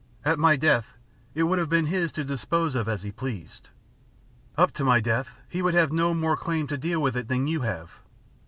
"At my death, it would have been his to dispose of as he pleased. Up to my death, he would have had no more claim to deal with it than you have.